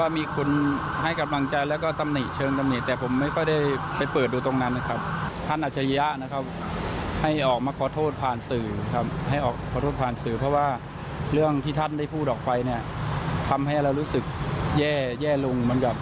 มีเจอปัญหามาตั้งแต่เริ่มแล้วครับ